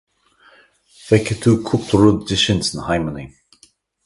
Feicfidh tú cúpla rud de sin sna haidhmeanna.